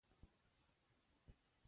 • مطالعه د ذهن لپاره ورزش دی.